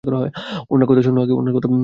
ওনার কথা শোনো আগে।